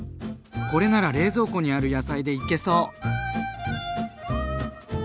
これなら冷蔵庫にある野菜でいけそう！